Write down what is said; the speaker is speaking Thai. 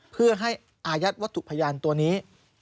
เพื่อให้อายัดวัตถุพยานตัวนี้